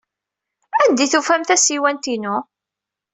Anda ay d-tufam tasiwant-inu?